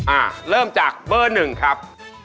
อ่าเริ่มจากเบอร์๑ครับ